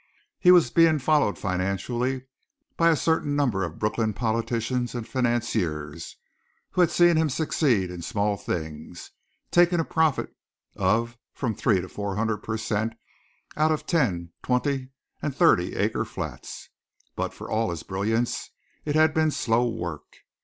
He was being followed financially, by a certain number of Brooklyn politicians and financiers who had seen him succeed in small things, taking a profit of from three to four hundred per cent, out of ten, twenty and thirty acre flats, but for all his brilliance it had been slow work.